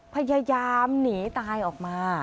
พยายามหนีตายออกมา